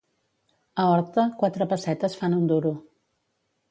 A Horta, quatre pessetes fan un duro.